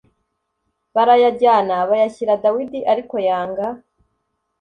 barayajyana bayashyira Dawidi ariko yanga